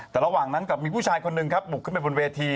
แต่ระหว่างนั้นกับมีผู้ชายคนหนึ่งครับบุกขึ้นไปบนเวที